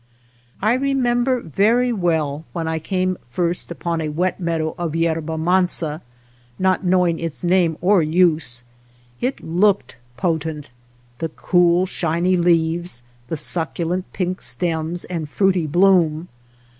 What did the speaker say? I remember very well when I came first upon a wet meadow of yerba mansa, not knowing its name or use. It looked potent ; the cool, shiny leaves, the succulent, pink stems and fruity bloom.